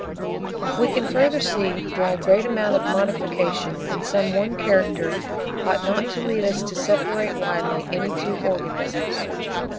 We can further see why a great amount of modification in some one character ought not to lead us to separate widely any two organisms.